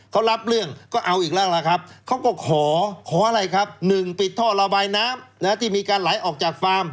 เขารับเรื่องก็เอาอีกแล้วล่ะครับเขาก็ขอขออะไรครับ๑ปิดท่อระบายน้ำที่มีการไหลออกจากฟาร์ม